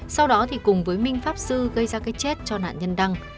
sau đó thì cùng với minh pháp sư gây ra cái chết cho nạn nhân đăng